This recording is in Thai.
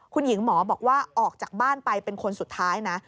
คุณหญิงหมอบอกว่าออกจากบ้านไปเป็นคนสุดท้ายนะ